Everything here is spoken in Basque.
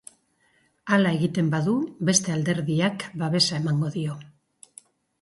Hala egiten badu, beste alderdiak babesa emango dio.